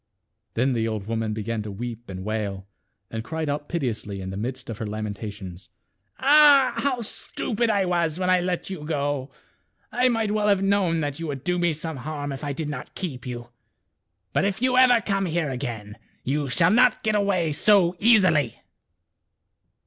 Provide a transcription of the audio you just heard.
Then the old woman began to weep and wail, and m/ cried out piteously in ^ the midst of her lamenta tions, " Ah ! how stupid I was when I let you go. I might well have known that you would do me some harm if I did not keep you. But if you ever come here again, you shall not get away so easily."